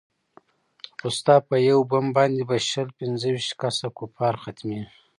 خو ستا په يو بم باندې به شل پينځه ويشت كسه كفار ختميږي.